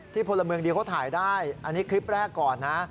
พลเมืองดีเขาถ่ายได้อันนี้คลิปแรกก่อนนะ